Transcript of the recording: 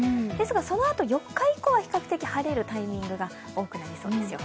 そのあと、４日以降は比較的晴れるタイミングが多くなりそうですよ。